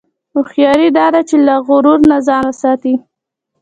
هوښیاري دا ده چې له غرور نه ځان وساتې.